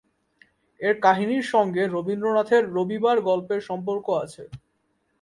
এর কাহিনীর সঙ্গে রবীন্দ্রনাথের "রবিবার" গল্পের সম্পর্ক আছে।